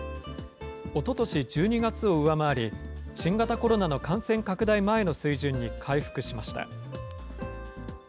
おととし１２月を上回り、新型コロナの感染拡大前の水準に回復しました。